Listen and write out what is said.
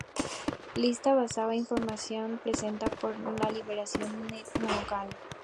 Lista basada en información presenta por La Librería Nacional de Noruega.